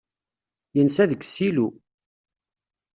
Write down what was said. Yensa deg ssilu.